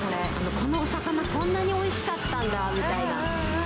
このお魚、こんなにおいしかったんだみたいな。